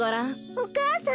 お母さん！